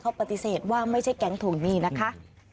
เขาปฏิเสธว่าไม่ใช่แก๊งทวงหนี้นะคะ